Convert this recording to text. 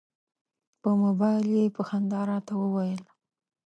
په مبایل یې په خندا راته وویل.